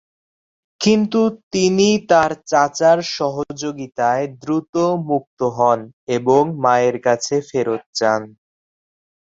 কিন্তু তিনি তার চাচার সহযোগিতায় দ্রুত মুক্ত হন এবং মায়ের কাছে ফেরত যান।